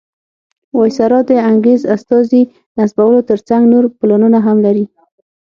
وایسرا د انګریز استازي نصبولو تر څنګ نور پلانونه هم لري.